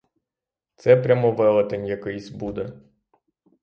Це прямо велетень якийсь буде.